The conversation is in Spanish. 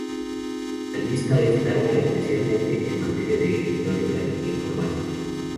La lista es larga, especialmente en materia de electrónica y de informática.